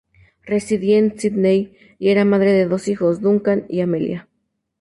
Residía en Sídney y era madre de dos hijos, Duncan y Amelia.